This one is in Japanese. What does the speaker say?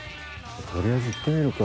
とりあえず行ってみるか。